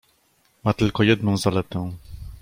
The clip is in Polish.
"Ma tylko jedną zaletę."